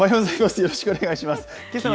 よろしくお願いします。